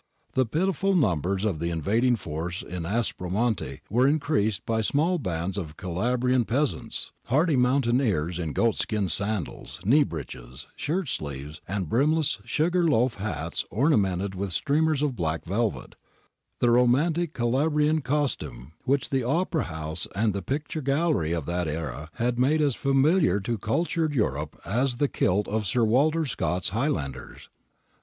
^ The pitiful numbers of the invading force in Aspro monte were increased by small bands of Calabrian peasants, hardy mountaineers in goat skin sandals, knee breeches, shirt sleeves, and brimless sugar loaf hats orna mented with streamers of black velvet — the romantic Calabrian costume which the opera house and the picture gallery of that era had made as familiar to cultured Europe as the kilt of Sir Walter Scott's Highlanders.